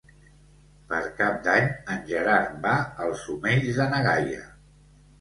Per Cap d'Any en Gerard va als Omells de na Gaia.